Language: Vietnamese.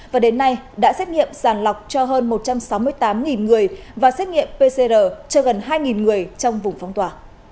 và đến nay đã xét nghiệm sàng lọc cho hơn một trăm sáu mươi tám người và xét nghiệm pcr cho gần hai người trong vùng phong tỏa